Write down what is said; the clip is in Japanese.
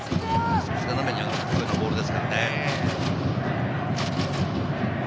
少し斜めに行くようなボールですからね。